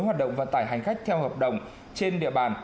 hoạt động vận tải hành khách theo hợp đồng trên địa bàn